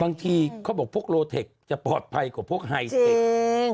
บางทีเขาบอกพวกโลเทคจะปลอดภัยกว่าพวกไฮเทค